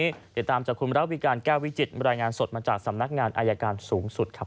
ติดตามจากคุณระวิการแก้ววิจิตรายงานสดมาจากสำนักงานอายการสูงสุดครับ